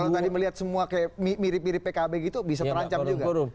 kalau tadi melihat semua kayak mirip mirip pkb gitu bisa terancam juga